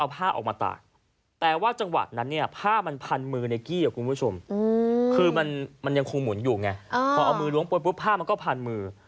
พอเอามือล้วงบนปุ๊บผ้ามันก็พันมือ